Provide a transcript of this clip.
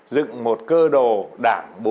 dựng một cơ đồ đảng